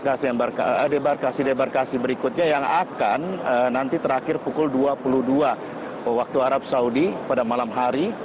dan kemudian ada debarkasi debarkasi berikutnya yang akan nanti terakhir pukul dua puluh dua waktu arab saudi pada malam hari